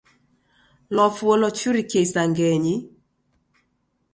Lwafuo lwachurikie isangenyi.